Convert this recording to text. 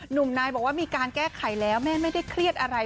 หนุ่มนายบอกว่ามีการแก้ไขแล้วแม่ไม่ได้เครียดอะไร